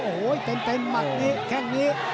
โอ้โหเต็มมักนี้แค่นี้